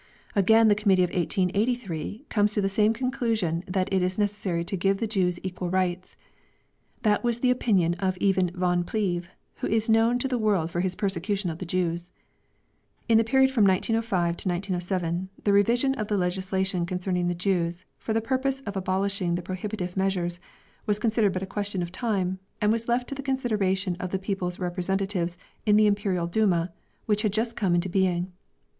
Again, the Committee of 1883 comes to the same conclusion that it is necessary to give the Jews equal rights. That was the opinion even of Von Pleve, who is known to the world for his persecution of the Jews. In the period from 1905 to 1907 the revision of the legislation concerning the Jews for the purpose of abolishing the prohibitive measures was considered but a question of time and was left to the consideration of the people's representatives in the Imperial Duma which had just come into being.